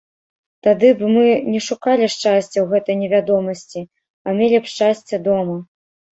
Тады б мы не шукалі шчасця ў гэтай невядомасці, а мелі б шчасце дома.